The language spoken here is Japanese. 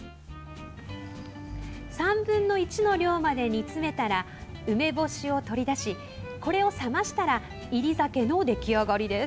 ３分の１の量まで煮詰めたら梅干しを取り出しこれを冷ましたら煎り酒の出来上がりです。